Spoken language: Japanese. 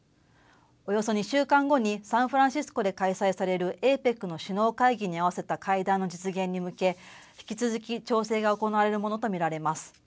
およそ２週間後にサンフランシスコで開催されるＡＰＥＣの首脳会議に合わせた会談の実現に向け、引き続き調整が行われるものと見られます。